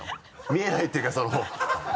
見えないというかその